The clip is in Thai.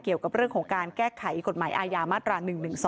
เกี่ยวกับเรื่องของการแก้ไขกฎหมายอาญามาตรา๑๑๒